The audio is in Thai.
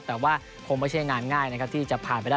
แต่ว่าคงไม่ใช่งานง่ายนะครับที่จะผ่านไปได้